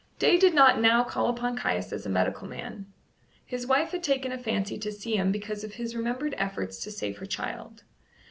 Day did not now call upon Caius as a medical man. His wife had taken a fancy to see him because of his remembered efforts to save her child.